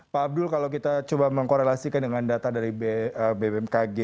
pak abdul kalau kita coba mengkorelasikan dengan data dari bmkg